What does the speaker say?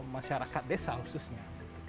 masyarakat desa khususnya